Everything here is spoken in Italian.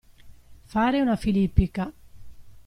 Fare una filippica.